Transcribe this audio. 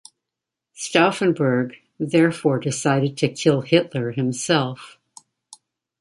Stauffenberg therefore decided to kill Hitler himself.